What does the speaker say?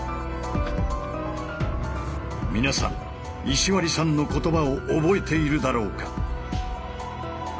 皆さん石割さんの言葉を覚えているだろうか？